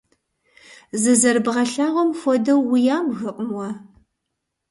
Зызэрыбгъэлъагъуэм хуэдэу уябгэкъым уэ.